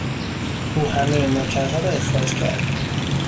او همهی نوکرها را اخراج کرد.